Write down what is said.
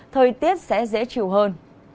thời tiết sẽ dễ chịu hơn